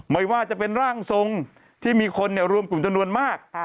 ไม่ว่าจะเป็นร่างทรงที่มีคนรวมกลุ่มจำนวนมาก